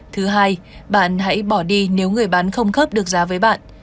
thứ hai bạn hãy bỏ đi nếu người bán không khớp được giá với bạn